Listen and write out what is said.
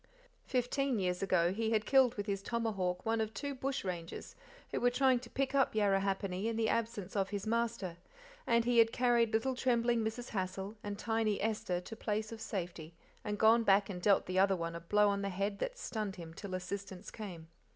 Fifteen years ago he had killed with his tomahawk one of two bushrangers who were trying to pick up Yarrahappini in the absence of his master, and he had carried little trembling Mrs. Hassal and tiny Esther to place of safety, and gone back and dealt the other one a blow on the head that stunned him till assistance came.